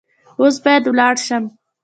اوس باید ولاړ شم .